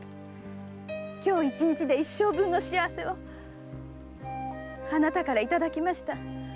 今日一日で一生分の幸せをあなたからいただきました。